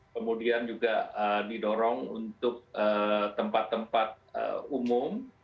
kemudian juga didorong untuk tempat tempat umum